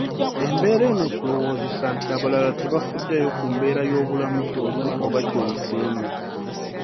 Embeera eno ekulowoozesa nti abalala tebafuddeyo ku mbeera y'obulamu gy'olimu oba gy'oyiseemu